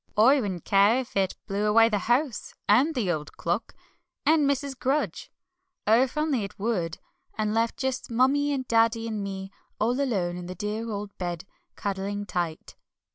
I wouldn't care if it blew away the house, and the old clock, and Mrs. Grudge. Oh, if only it would and left just Mummie and Daddy and me, all alone in the dear old bed, cuddling tight."